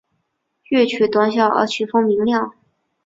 乐曲短小而曲风明亮。